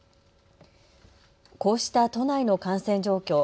こうした都内の感染状況。